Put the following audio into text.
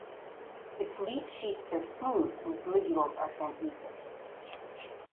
Its leaf sheaths are smooth and its ligules are translucent.